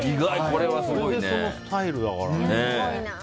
これでそのスタイルだからね。